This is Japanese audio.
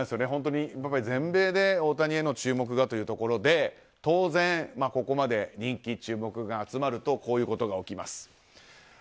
本当に全米で大谷への注目がということで当然、ここまで人気、注目が集まるとこういうことが起きます。